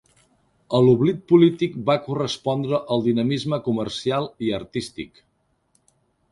A l'oblit polític va correspondre el dinamisme comercial i artístic.